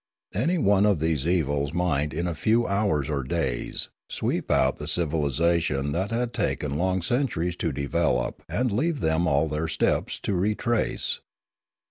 Any one of these evils might in a few hours or days sweep out the civilisation that had taken long centuries to develop and leave them all their steps to retrace.